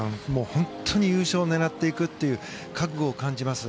本当に優勝を狙っていくという覚悟を感じます。